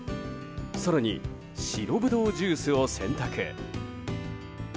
更に白葡萄ジュースを選択。